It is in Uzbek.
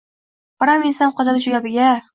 biram ensam qotdi shu gapiga.